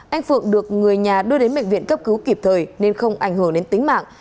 anh phượng được người nhà đưa đến bệnh viện cấp cứu kịp thời nên không ảnh hưởng đến tính mạng